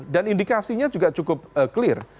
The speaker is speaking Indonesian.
dan indikasinya juga cukup clear